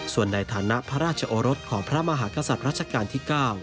ส่วนในฐานะพระราชโอรสของพระมหากษัตริย์รัชกาลที่๙